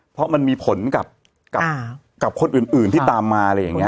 เพราะมันมีผลกับคนอื่นที่ตามมาอะไรอย่างนี้